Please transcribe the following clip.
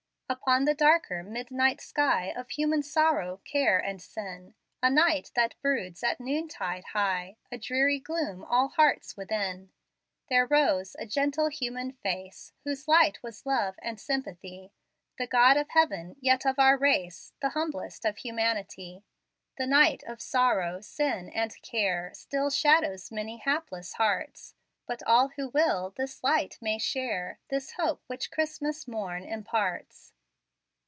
Upon the darker midnight sky Of human sorrow, care, and sin A night that broods at noontide high; A dreary gloom all hearts within There rose a gentle, human face, Whose light was love and sympathy The God of heaven, yet of our race The humblest of humanity. The night of sorrow, sin, and care Still shadows many hapless hearts; But all who will this light may share, This hope which Christmas morn imparts.